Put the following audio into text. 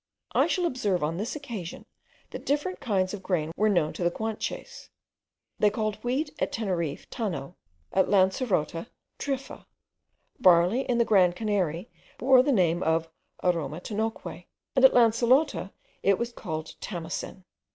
I shall observe on this occasion, that different kinds of grain were known to the Guanches. They called wheat at Teneriffe tano, at Lancerota triffa; barley, in the grand Canary, bore the name of aramotanoque, and at Lancerota it was called tamosen.